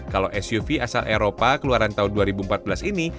kalau suv asal eropa keluaran tahun dua ribu empat belas ini